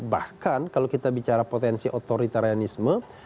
bahkan kalau kita bicara potensi otoritarianisme